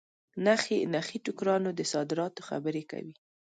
نخې ټوکرانو د صادراتو خبري کوي.